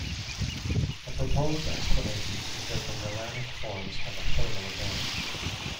A proposed explanation is that the melanic forms have a thermal advantage.